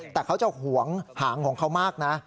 แต่เขาจะหวงหางของเขามากนะ